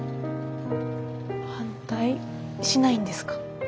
反対しないんですか？